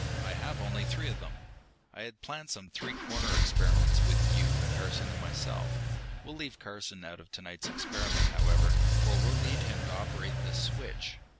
"I have only three of them; I had planned some three cornered experiments with you, Carson, and myself. We'll leave Carson out of to night's experiment, however, for we'll need him to operate this switch.